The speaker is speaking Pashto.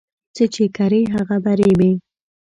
څه چې کرې، هغه به ريبې